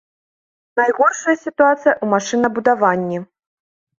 Найгоршая сітуацыя ў машынабудаванні.